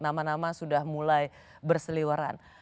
nama nama sudah mulai berseliwaran